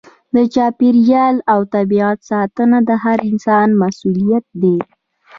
د چاپیریال او طبیعت ساتنه د هر انسان مسؤلیت دی.